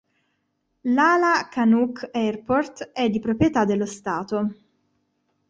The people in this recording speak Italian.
L'Alakanuk Airport è di proprietà dello Stato.